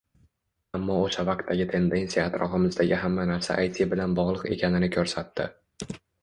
Ammo oʻsha vaqtdagi tendensiya atrofimizdagi hamma narsa AyTi bilan bogʻliq ekanini koʻrsatdi.